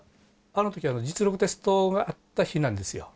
あの時は実力テストがあった日なんですよ。